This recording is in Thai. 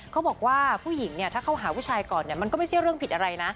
เขาบอกว่าผู้หญิงเนี่ยถ้าเข้าหาผู้ชายก่อนมันก็ไม่ใช่เรื่องผิดอะไรนะ